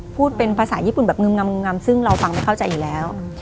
พูดเป็นภาษาญี่ปุ่นแบบงึมงำซึ่งเราฟังไม่เข้าใจอยู่แล้ว